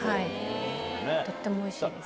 とってもおいしいです。